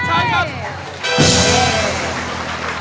ไม่ใช้